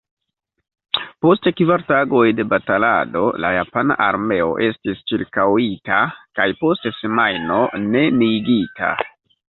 Post kvar tagoj de batalado la japana armeo estis ĉirkaŭita kaj post semajno neniigita.